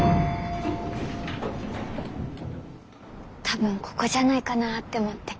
多分ここじゃないかなって思って。